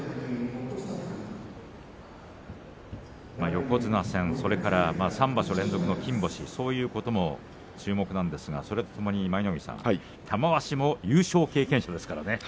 横綱戦、そして３場所連続の金星そういうことも注目なんですがそれととも舞の海さん、玉鷲も優勝経験者ですからね。